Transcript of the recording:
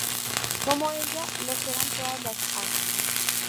Como ella, lo serán todas las "A".